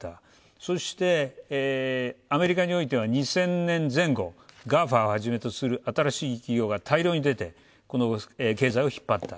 そして、アメリカにおいては２０００年前後、ＧＡＦＡをはじめとする新しい企業が大量に出て経済を引っ張った。